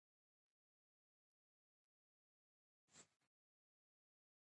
پښتو ژبه د ولسي ادب مور ده چي بېلابېل ادبي ډولونه ترې راټوکېدلي دي.